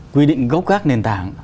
quy định gốc gác nền tảng